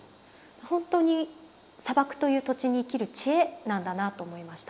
本当に砂漠という土地に生きる知恵なんだなと思いました。